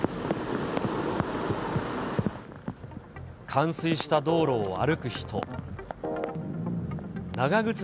冠水した道路を歩く人。